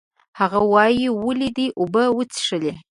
هغه وایي، ولې دې اوبه وڅښلې؟